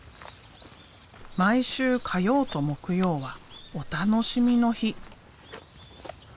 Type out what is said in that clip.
毎週火曜と木曜はお楽しみの日。